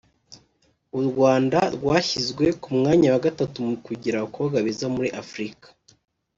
u Rwanda rwashyizwe ku mwanya wa gatatu mu kugira abakobwa beza muri Afurika